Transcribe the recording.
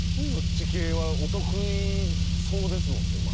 そっち系はお得意そうですもんね。